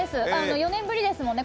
４年ぶりですもんね